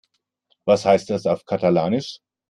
Was heißt das auf Katalanisch?